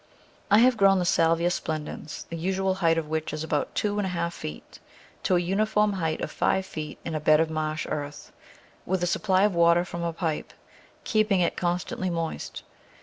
I have grown the Salvia splendens — the usual height of which is about two and a half feet — to a uniform height of five feet in a bed of marsh earth, with a supply of water from a pipe, keeping it con stantly moist.